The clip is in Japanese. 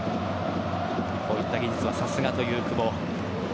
こういった技術はさすがという久保。